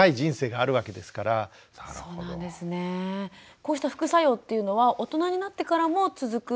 こうした副作用っていうのは大人になってからも続く方もいるんですか？